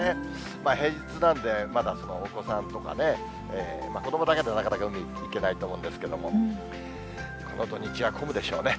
平日なので、まだお子さんとかね、子どもだけでなかなか海に行けないと思うんですけれども、この土日は混むでしょうね。